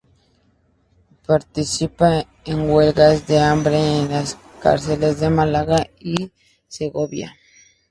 Participa en huelgas de hambre en las cárceles de Málaga y Segovia.